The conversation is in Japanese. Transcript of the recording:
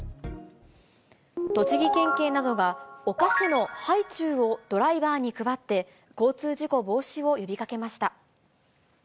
栃木県警などが、お菓子のハイチュウをドライバーに配って、交通事故防止を呼びかけました。